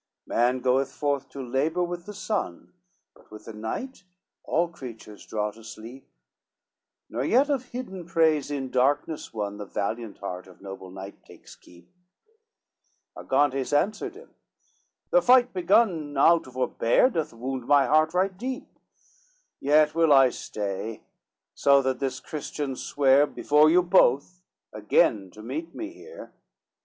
LII "Man goeth forth to labor with the sun, But with the night, all creatures draw to sleep, Nor yet of hidden praise in darkness won The valiant heart of noble knight takes keep:" Argantes answered him, "The fight begun Now to forbear, doth wound my heart right deep: Yet will I stay, so that this Christian swear, Before you both, again to meet me here."